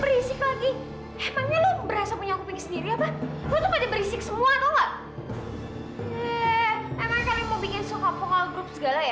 eeeh emang kalian mau bikin suka vokal group segala ya